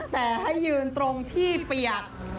แต่ให้ยืนตรงที่เปียก